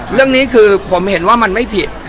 เรื่องนี้คือผมเห็นว่ามันไม่ผิด